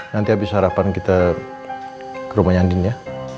nanti abis sarapan kita ke rumahnya andin ya